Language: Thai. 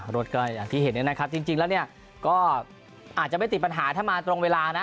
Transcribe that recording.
รถก็อย่างที่เห็นเนี่ยนะครับจริงแล้วเนี่ยก็อาจจะไม่ติดปัญหาถ้ามาตรงเวลานะ